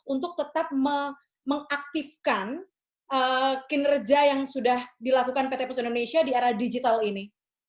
untuk tetap mengaktifkan kinerja yang sudah dilakukan pt pos indonesia di era digital ini